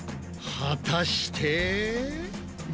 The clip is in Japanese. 果たして？